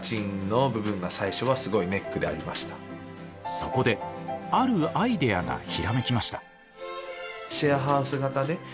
そこであるアイデアがひらめきました。